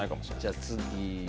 じゃあ次。